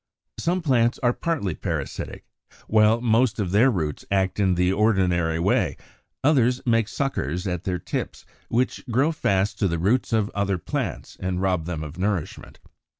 81. Some plants are partly parasitic; while most of their roots act in the ordinary way, others make suckers at their tips which grow fast to the roots of other plants and rob them of nourishment.